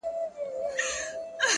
زما څخه مه غواړه غزل د پسرلي د نسیم،